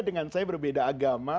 dengan saya berbeda agama